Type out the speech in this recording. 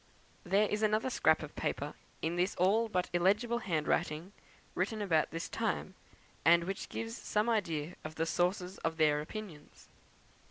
There is another scrap of paper, in this all but illegible handwriting, written about this time, and which gives some idea of the sources of their opinions.